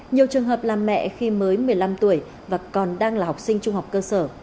nhiều trường hợp là mẹ khi mới một mươi năm tuổi và còn đang là học sinh trung học cơ sở